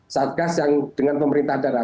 satgas yang dengan pemerintah daerah